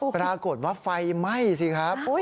ปรากฏว่าไฟไหม้สิครับ